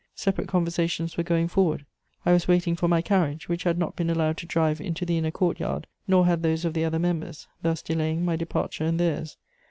Separate conversations were going forward; I was waiting for my carriage, which had not been allowed to drive into the inner court yard, nor had those of the other members, thus delaying my departure and theirs.